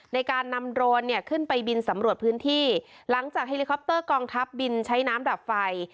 ในการนำโดรนเนี่ยขึ้นไปบินสำรวจพื้นที่หลังจากเฮลิคอปเตอร์กองทัพบินใช้น้ำดับไฟ